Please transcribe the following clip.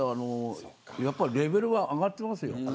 やっぱりレベルは上がってますよ。